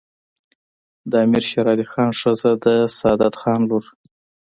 د امیر شیرعلي خان ښځه د سعادت خان لور